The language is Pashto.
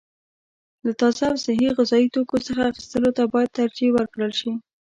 له تازه او صحي غذايي توکو څخه اخیستلو ته باید ترجیح ورکړل شي.